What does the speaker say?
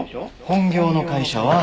本業の会社は。